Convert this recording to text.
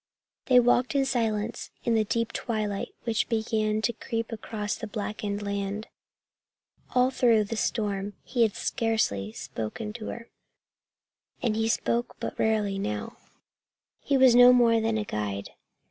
They walked in silence in the deep twilight which began to creep across the blackened land. All through the storm he had scarcely spoken to her, and he spoke but rarely now. He was no more than guide.